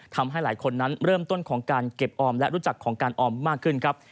ทำให้หลายคนนั้นเริ่มต้นของการเก็บออมและรู้จักของการออมมากขึ้นครับ